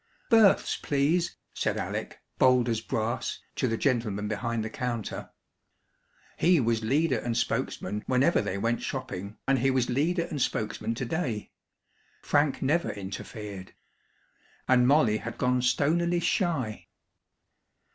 "Births, please," said Alec, bold as brass, to the gentleman behind the counter. He was leader and spokesman whenever they went shopping, and he was leader and spokesman to day. Frank never interfered. And Molly had gone stonily shy.